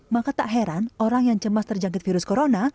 maka tak heran orang yang cemas terjangkit virus corona